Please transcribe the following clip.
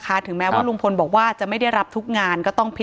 ถ้าใครอยากรู้ว่าลุงพลมีโปรแกรมทำอะไรที่ไหนยังไง